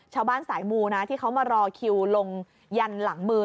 ชาวบ้านสายมูนะที่เขามารอคิวลงยันหลังมือ